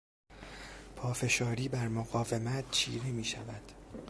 پافشاری بر مقاومت چیره میشود.